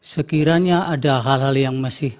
sekiranya ada hal hal yang masih